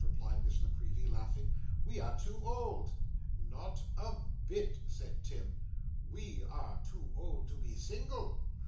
replied Miss La Creevy, laughing. 'We are too old.' 'Not a bit,' said Tim; 'we are too old to be single.